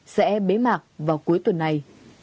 sẽ bế mạc vào cuối tuần này